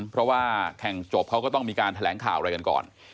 เพราะว่าแข่งจบเขาก็ต้องมีการแถลงข่าวอะไรกันก่อน